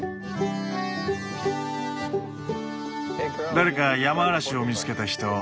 誰かヤマアラシを見つけた人？